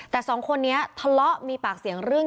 แต่สองคนนี้ทะเลาะมีปากเสียงเรื่อง